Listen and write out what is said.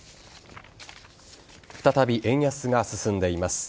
再び円安が進んでいます。